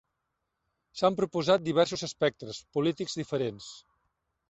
S'han proposat diversos espectres polítics diferents.